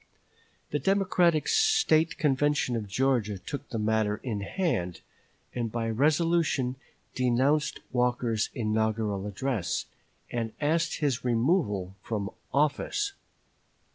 The Democratic State Convention of Georgia took the matter in hand, and by resolution denounced Walker's inaugural address, and asked his removal from office.